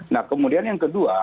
nah kemudian yang kedua